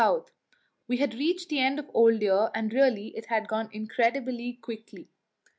We had reached the end of the old year, and really it had gone incredibly quickly.